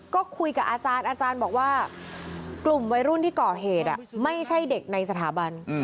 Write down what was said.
ก็คุยกับอาจารย์อาจารย์บอกว่ากลุ่มวัยรุ่นที่ก่อเหตุไม่ใช่เด็กในสถาบัน